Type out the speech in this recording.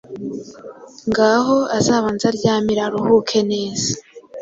Ngaho, azabanze aryamire aruhuke neza